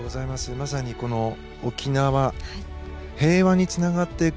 まさにこの沖縄平和につながっていく。